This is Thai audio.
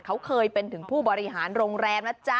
เขาเคยเป็นผู้ปฏิหาร์โรงแรม